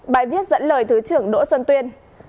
bài viết dẫn lời thứ trưởng đỗ xuân tuyên